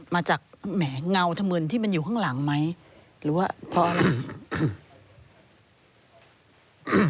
มาจากแหมเงาธมืนที่มันอยู่ข้างหลังไหมหรือว่าเพราะอะไร